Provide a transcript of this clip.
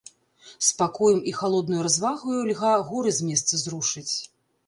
Спакоем і халоднаю развагаю льга горы з месца зрушыць.